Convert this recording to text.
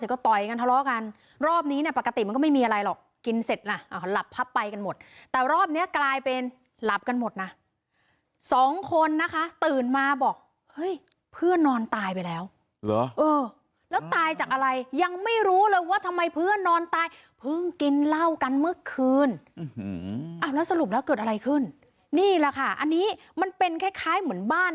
ของคนงานก่อสร้างค่ะอยู่ที่แถวซอยสายไหม๗๒นะคะ